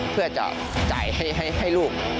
เพื่อจะจ่ายให้ลูกได้เรียนรับ